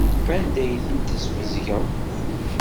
Anda ay ten-tesbezgeḍ?